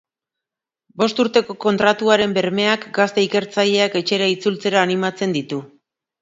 Bost urteko kontratuaren bermeak gazte ikertzaileak etxera itzultzera animatzen ditu.